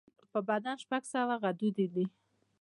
په بدن شپږ سوه غدودي دي.